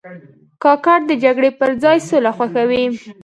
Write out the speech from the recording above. کاکړ د جګړې پر ځای سوله خوښوي.